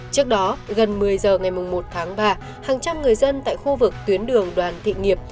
trước đó gần một mươi giờ ngày một tháng ba hàng trăm người dân tại khu vực tuyến đường đoàn thị nghiệp